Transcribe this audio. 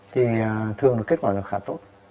thì thường kết quả là khá tốt